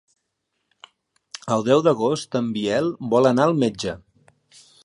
El deu d'agost en Biel vol anar al metge.